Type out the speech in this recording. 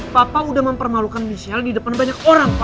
papa udah mempermalukan michelle di depan banyak orang pak